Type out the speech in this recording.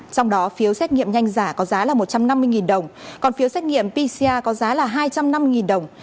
trong đó phiếu xét nghiệm nhanh giả có giá là một trăm năm mươi đồng còn phiếu xét nghiệm pcr có giá là hai trăm linh năm đồng